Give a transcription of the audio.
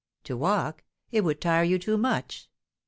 "To walk? It would tire you too much."